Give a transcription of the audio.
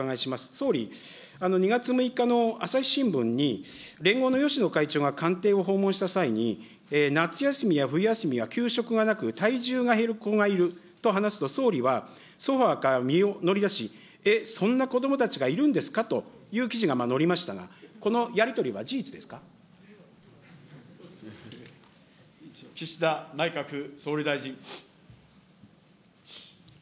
総理、２月６日の朝日新聞に、連合の芳野会長が官邸を訪問した際に、夏休みや冬休みは給食がなく体重が減る子がいると話すと、総理は、ソファから身を乗り出し、えっ、そんな子どもたちがいるんですかという記事が載りましたが、この岸田内閣総理大臣。